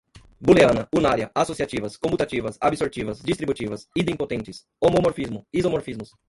booleana, unária, associativas, comutativas, absortivas, distributivas, idempotentes, homomorfismo, isomorfismos